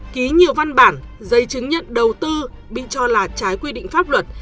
ký nhiều văn bản giấy chứng nhận đầu tư bị cho là trái quy định pháp luật